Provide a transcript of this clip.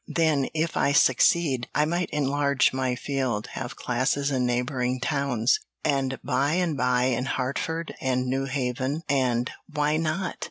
"Then, if I succeed, I might enlarge my field, have classes in neighboring towns, and by and by in Hartford and New Haven, and why not?